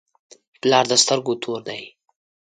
پلار د سترګو تور دی.